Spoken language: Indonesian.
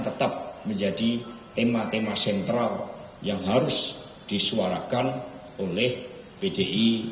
tetap menjadi tema tema sentral yang harus disuarakan oleh pdi